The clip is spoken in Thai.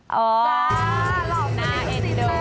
อ๋อหล่อขนาดนี้ด้วย